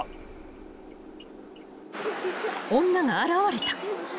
［女が現れた］